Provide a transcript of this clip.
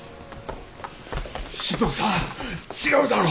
志乃さん違うだろ！